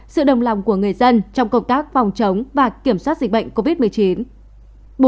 sự đồng lòng của người dân trong công tác phòng chống và kiểm soát dịch bệnh covid một mươi chín